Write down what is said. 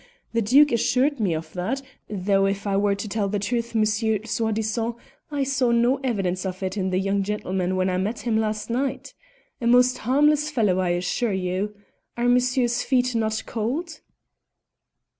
The Duke assured me of that, though if I were to tell the truth, Monsieur Soi disant, I saw no evidence of it in the young gentleman when I met him last night. A most harmless fellow, I assure you. Are monsieur's feet not cold?"